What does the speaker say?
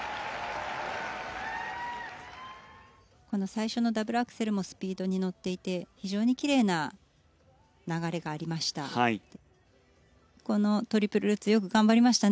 最初のダブルアクセルもスピードにのっていて非常にきれいな流れがありました。